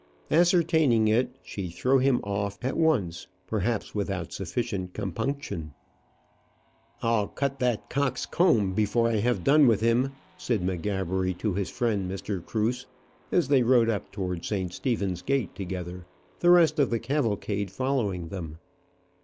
Ascertaining it, she threw him off at once perhaps without sufficient compunction. "I'll cut that cock's comb before I have done with him," said M'Gabbery to his friend Mr. Cruse, as they rode up towards St. Stephen's gate together, the rest of the cavalcade following them.